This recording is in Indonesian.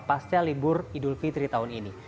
pasca libur idul fitri tahun ini